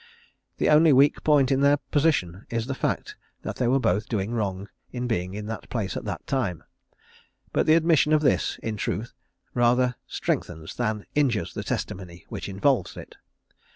The only weak point in their position is the fact, that they were both doing wrong in being in that place at that time; but the admission of this, in truth, rather strengthens than injures the testimony which involves it.